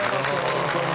本当に。